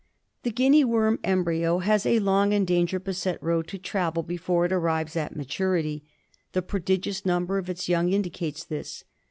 The Guinea worm embryo has a long and danger beset road to travel before it arrives at maturity. The pro digious number of its young indicates this.